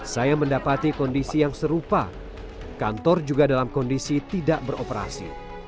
saya mendapati kondisi yang serupa kantor juga dalam kondisi tidak beroperasi